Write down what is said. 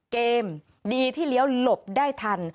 เกมดีที่เลี้ยวหลบได้ทัน